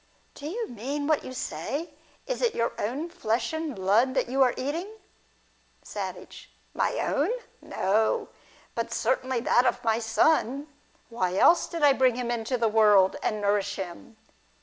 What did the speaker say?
Do you mean what you say ? Is it your own flesh and blood that you are eating ? Savage. My own ? No. But certainly that of my son. Why else did I bring him into the world, and nourish him